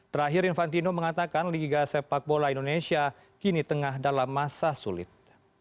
terakhir infantino mengatakan liga sepak bola indonesia kini tengah dalam masa sulit